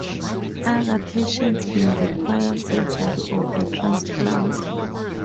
Other patients may require surgery or a transplant.